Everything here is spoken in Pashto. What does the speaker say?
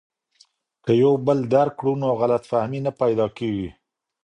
که یو بل درک کړو نو غلط فهمي نه پیدا کیږي.